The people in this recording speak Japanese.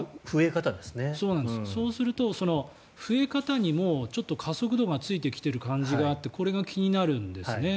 そうすると、増え方にも加速度がついてきている感じがあってこれが気になるんですね。